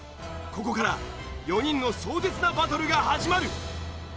ここから４人の壮絶なバトルが始まる。